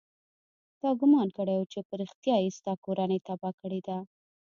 تا ګومان کړى و چې په رښتيا يې ستا کورنۍ تباه کړې ده.